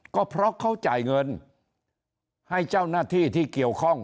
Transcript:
ก็เพราะเขาจ่ายเงินให้เจ้าหน้าที่ที่เกี่ยวข้อง